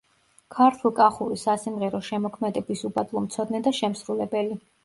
ქართლ-კახური სასიმღერო შემოქმედების უბადლო მცოდნე და შემსრულებელი.